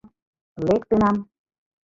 — Лектынам.